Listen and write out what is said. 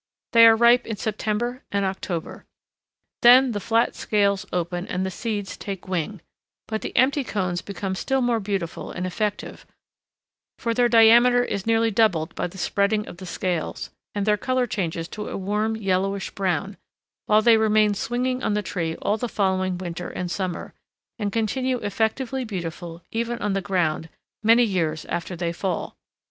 They are ripe in September and October. Then the flat scales open and the seeds take wing, but the empty cones become still more beautiful and effective, for their diameter is nearly doubled by the spreading of the scales, and their color changes to a warm yellowish brown; while they remain swinging on the tree all the following winter and summer, and continue effectively beautiful even on the ground many years after they fall.